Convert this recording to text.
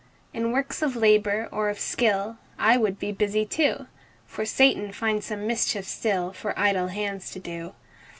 In works of labor or of skill, I would be busy too; For Satan finds some mischief still For idle hands to do.